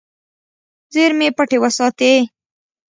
زیرمې پټې وساتې.